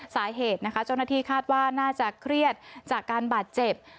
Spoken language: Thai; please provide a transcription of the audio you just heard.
สาเหตุนะคะเจ้าหน้าที่คาดว่าน่าจะเครียดจากการบาดเจ็บ